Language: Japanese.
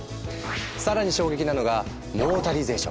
更に衝撃なのがモータリゼーション。